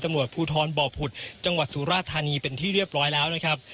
อันนี้เป็นที่เรียบร้อยแล้วนะครับ